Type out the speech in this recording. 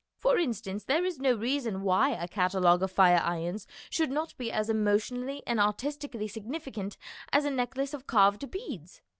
For instance, there is no reason why a catalogue of fire irons should not be as emotionally and artistically significant as a necklace of carved beads.